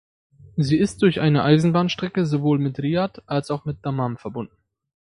Sie ist durch eine Eisenbahnstrecke sowohl mit Riad als auch mit Dammam verbunden.